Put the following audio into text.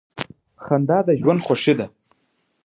• خندا د ژوند خوښي ده.